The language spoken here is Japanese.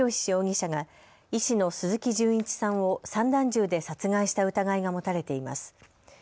容疑者が医師の鈴木純一さんを散弾銃で殺害した疑いが持たれています。